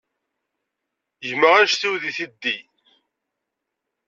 Gma anect-iw deg tiddi.